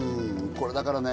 これだからね